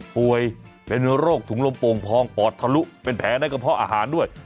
ป่วยเป็นโรคถุงลมโป่งพองปอดทะลุเป็นแผลในกระเพาะอาหารด้วย